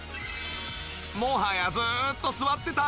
もはやずーっと座っていたい？